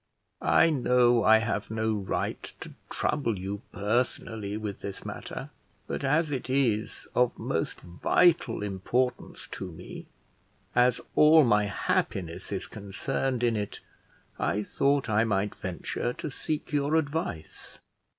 "I know I have no right to trouble you personally with this matter, but as it is of most vital importance to me, as all my happiness is concerned in it, I thought I might venture to seek your advice."